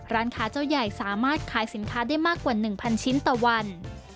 ร้านค้าเจ้าใหญ่สามารถขายสินค้าได้มากกว่า๑๐๐ชิ้นต่อวัน